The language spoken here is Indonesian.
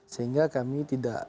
sehingga kami tidak